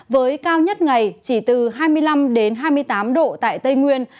với cao nhất ngày chỉ từ hai mươi năm hai mươi tám độ tại tây nguyên